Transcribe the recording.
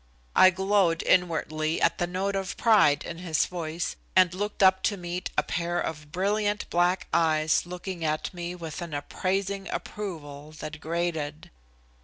I glowed inwardly at the note of pride in his voice and looked up to meet a pair of brilliant black eyes looking at me with an appraising approval that grated.